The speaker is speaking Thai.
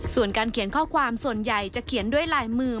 ส่วนการเขียนข้อความส่วนใหญ่จะเขียนด้วยลายมือ